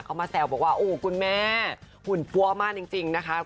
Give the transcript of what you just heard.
เขามาแซวบอกว่าโอ้คุณแม่หุ่นปั้วมากจริงนะคะ